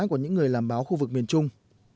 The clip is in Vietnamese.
của những người làm báo khu vực miền trung